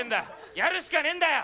やるしかねえんだよ！